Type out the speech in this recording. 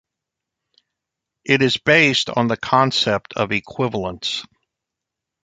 It is based on the concept of 'equivalence'.